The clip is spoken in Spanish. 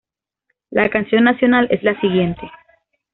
La Canción Nacional es la siguiente.